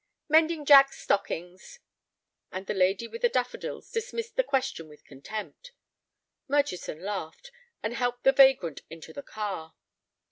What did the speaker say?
"Mending Jack's stockings." And the lady with the daffodils dismissed the question with contempt. Murchison laughed, and helped the vagrant into the car.